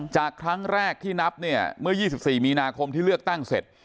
จากครั้งแรกที่นับเนี่ยเมื่อ๒๔มีนาคมที่เลือกตั้งเสร็จ